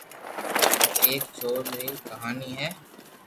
او ايڪ چور ري ڪياني ھي